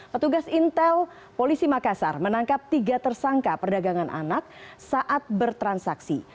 petugas intel polisi makassar menangkap tiga tersangka perdagangan anak saat bertransaksi